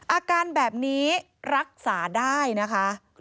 อาการแบบนี้รักษาได้นะคะ